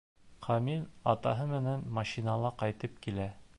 Камил атаһы менән машинала ҡайтып килә.